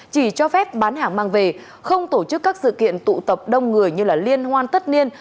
chỉ cho phép bán hàng mang về không tổ chức các sự kiện tụ tập đông người như liên hoan tất niên